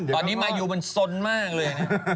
ตอนนี้มายูมันสนมากเลยนะ